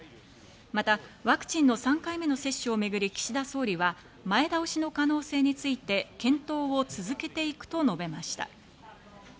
またワクチンの３回目の接種をめぐり岸田総理は、前倒しの可能性について検討を続けていくと述べました。